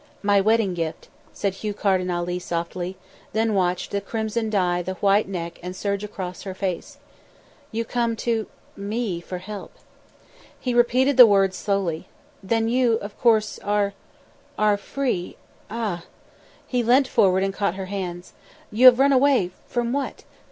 "My wedding gift," said Hugh Carden Ali softly, then watched the crimson dye the white neck and surge across her face. "You come to me for help." He repeated the words slowly. "Then you, of course, are are free ah!" He leant forward and caught her hands. "You have run away from what?